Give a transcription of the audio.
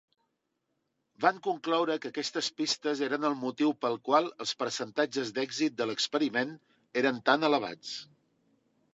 Van concloure que aquestes pistes eren el motiu pel qual els percentatges d'èxit de l'experiment eren tan elevats.